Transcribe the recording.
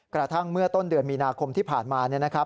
กระทั่งเมื่อต้นเดือนมีนาคมที่ผ่านมา